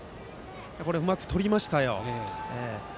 うまくとりましたよ、牟田口君。